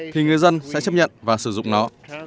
thì người dân sẽ chấp nhận và sử dụng nó